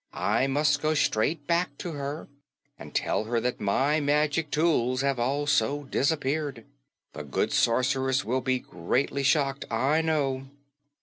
I must go straight back to her and tell her that my magic tools have also disappeared. The good Sorceress will be greatly shocked, I know."